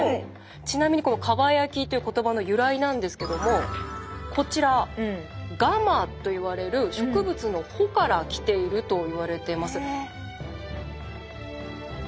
ちなみにこの蒲焼きっていう言葉の由来なんですけどもこちら蒲といわれる植物の穂からきているといわれてます。